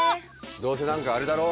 どうせ何かあれだろ。